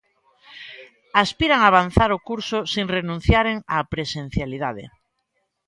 Aspiran a avanzar o curso sen renunciaren á presencialidade.